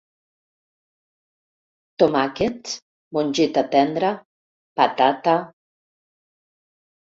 Tomàquets, mongeta tendra, patata...